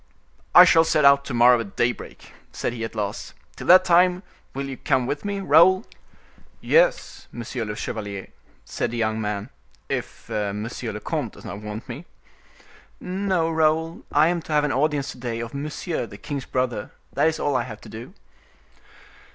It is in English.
"I shall set out to morrow at daybreak," said he at last. "Till that time, will you come with me, Raoul?" "Yes, monsieur le chevalier," said the young man, "if monsieur le comte does not want me." "No, Raoul; I am to have an audience to day of Monsieur, the king's brother; that is all I have to do."